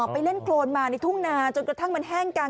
ไปเล่นโครนมาในทุ่งนาจนกระทั่งมันแห้งกัน